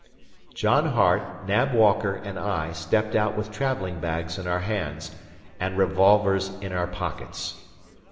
John Hart, Nab Walker and I stepped out with traveling bags in our hands, and revolvers in our pockets.